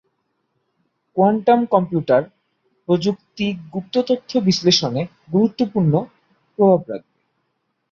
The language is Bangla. কোয়ান্টাম কম্পিউটার প্রযুক্তি গুপ্ত তথ্য বিশ্লেষণে গুরুত্বপূর্ণ প্রভাব রাখবে।